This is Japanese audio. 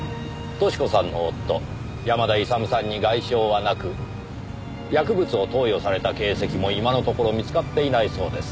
淑子さんの夫山田勇さんに外傷はなく薬物を投与された形跡も今のところ見つかっていないそうです。